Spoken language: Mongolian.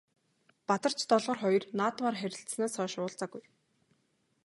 Бадарч Долгор хоёр наадмаар танилцсанаас хойш уулзаагүй.